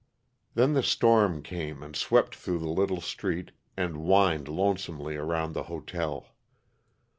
Then the storm came and swept through the little street and whined lonesomely around the hotel.